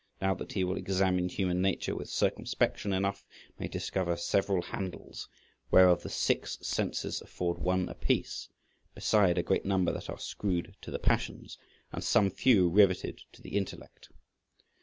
Now he that will examine human nature with circumspection enough may discover several handles, whereof the six {152b} senses afford one apiece, beside a great number that are screwed to the passions, and some few riveted to the intellect.